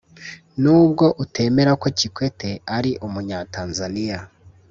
Nubwo utemera ko Kikwete ari umutanzaniya